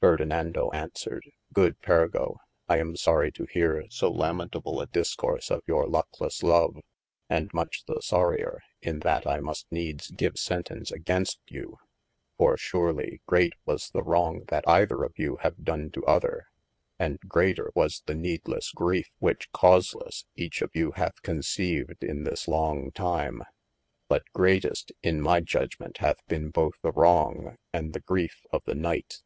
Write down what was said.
Ferdenando aunswered, good Pergo, I am sory to heare so lamentable a discourse of your luckles love, and much the soryer, in yl I muste needes give sentence agaynst you. For surely great was the wrong that eyther of you have done to 43° OF MASTER F. J. other, and greater was the needelesse greife which causelesse eche of you hath conceyved in this long time, but greatest in my judgment hath bene both the wrong and the greife of the Knight.